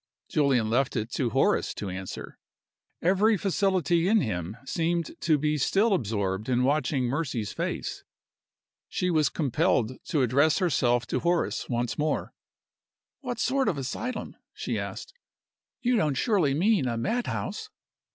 Julian left it to Horace to answer. Every facility in him seemed to be still absorbed in watching Mercy's face. She was compelled to address herself to Horace once more. "What sort of asylum?" she asked. "You don't surely mean a madhouse?"